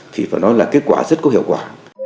thì phải nói là kết quả rất có hiệu quả